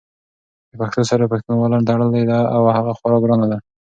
د پښتو سره پښتنواله تړلې ده او هغه خورا ګرانه ده!